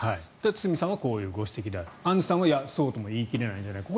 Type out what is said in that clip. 堤さんはこういうご指摘でアンジュさんは、そうとも言い切れないんじゃないかと。